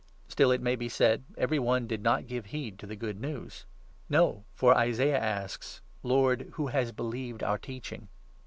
' Still, it may be said, ever}7 one did not give heed to the Good 16 Ne vs. No, for Isaiah asks —' Lord, who has believed our teaching